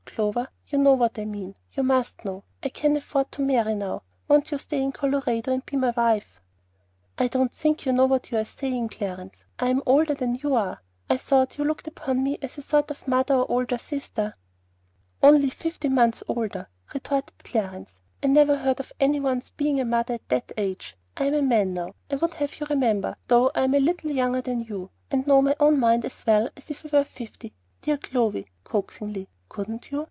Clover, you know what I mean; you must know. I can afford to marry now; won't you stay in Colorado and be my wife?" "I don't think you know what you are saying, Clarence. I'm older than you are. I thought you looked upon me as a sort of mother or older sister." "Only fifteen months older," retorted Clarence. "I never heard of any one's being a mother at that age. I'm a man now, I would have you remember, though I am a little younger than you, and know my own mind as well as if I were fifty. Dear Clovy," coaxingly, "couldn't you?